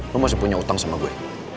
lo masih punya utang sama gue